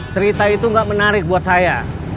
cerita itu nggak menarik buat saya